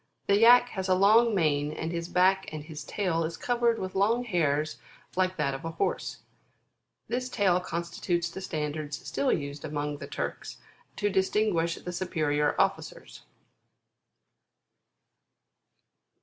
The Yack has a long mane on his back and his tail is covered with long hairs like that of a horse This tail constitutes the standards still used among the Turks to distinguish the superior officers.